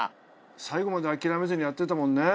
最後まで諦めずにやってたもんね。